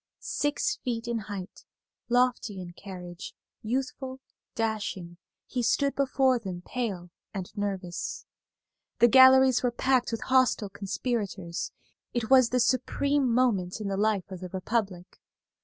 Six feet in height, lofty in carriage, youthful, dashing, he stood before them pale and nervous. The galleries were packed with hostile conspirators. It was the supreme moment in the life of the Republic.